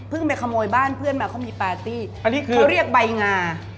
เพิ่งไปขโมยบ้านเพื่อนมาเขามีปาร์ตี้เขาเรียกใบงา